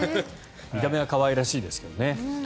見た目は可愛らしいですけどね。